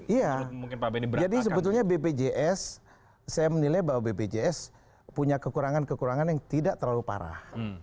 iya jadi sebetulnya bpjs saya menilai bahwa bpjs punya kekurangan kekurangan yang tidak terlalu parah